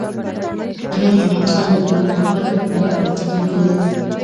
بامیان د افغانستان د ټولنې لپاره یو خورا بنسټيز رول لري.